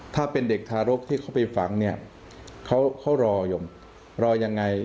ถ้าเป็นเด็กทารกที่เขาไปฝังเขารออย่างไร